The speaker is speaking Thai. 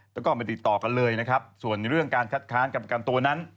แล้วก็ไม่ติดต่อกันเลยนะครับส่วนเรื่องการคัดค้านกับประกันตัวนั้น